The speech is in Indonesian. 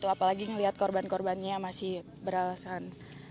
apalagi ngeliat korban korbannya masih berharusan